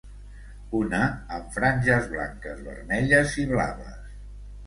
Una amb franges blanques, vermelles i blaves.